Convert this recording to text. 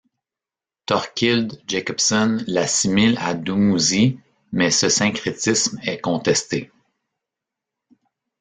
Thorkild Jacobsen l'assimile à Dumuzi, mais ce syncrétisme est contesté.